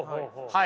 はい。